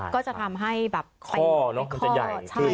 ก็จะทำให้แบบข้อนะข้อจะใหญ่